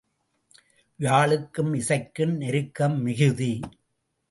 யாழுக்கும் இசைக்கும் நெருக்கம் மிகுதி.